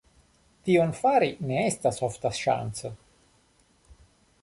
Tion fari ne estas ofta ŝanco.